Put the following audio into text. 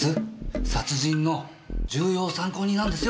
殺人の重要参考人なんですよ？